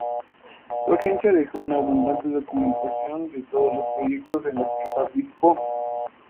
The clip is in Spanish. Su agencia dejó una abundante documentación de todos los proyectos en los que participó.